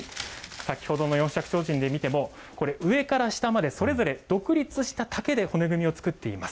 先ほどの四尺提灯で見ても、これ、上から下までそれぞれ独立した竹で骨組みを作っています。